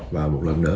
và một lần nữa